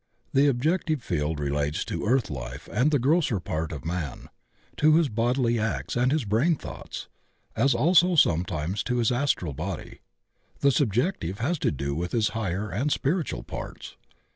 The objective field relates to earth life and the grosser part of man, to his bodily acts and his brain thoughts, as also sometimes to his astral body. The subjective has to do with his higher and spiritual parts.